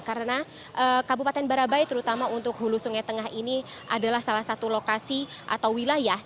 karena kabupaten barabai terutama untuk hulu sungai tengah ini adalah salah satu lokasi atau wilayah